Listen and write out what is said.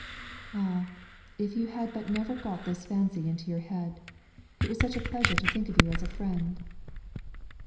"Ah! if you had but never got this fancy into your head! It was such a pleasure to think of you as a friend."